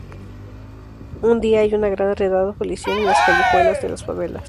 Un día hay una gran redada policial en las callejuelas de las favelas.